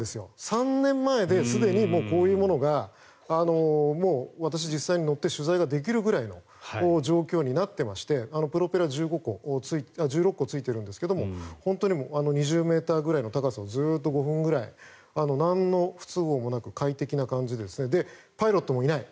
３年前ですでにこういうものが私、実際に乗って取材ができるぐらいの状況になっていましてプロペラ１６個ついているんですが本当に２０ｍぐらいの高さをずっと５分くらいなんの不都合もなく快適な感じでパイロットもいない。